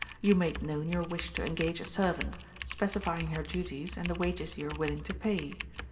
You make known your wish to engage a servant, specifying her duties and the wages you are willing to pay.